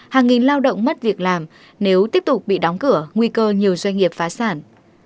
hàng nghìn lao động mất việc làm nếu tiếp tục bị đóng cửa nguy cơ nhiều doanh nghiệp phá sản